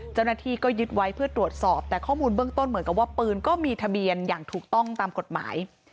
เจ้าหน้าที่ก็ยึดไว้เพื่อตรวจสอบแต่ข้อมูลเบื้องต้นเหมือนกับว่าปืนก็มีทะเบียนอย่างถูกต้องตามกฎหมาย